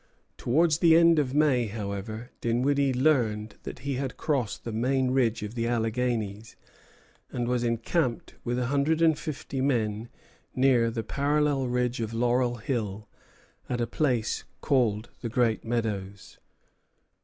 Towards the end of May, however, Dinwiddie learned that he had crossed the main ridge of the Alleghanies, and was encamped with a hundred and fifty men near the parallel ridge of Laurel Hill, at a place called the Great Meadows.